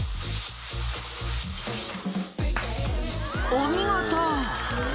お見事！